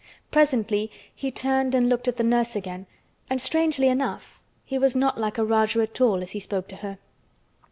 Presently he turned and looked at the nurse again and strangely enough he was not like a Rajah at all as he spoke to her.